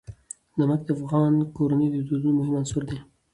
نمک د افغان کورنیو د دودونو مهم عنصر دی.